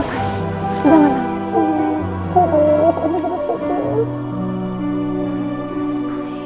saya di rumah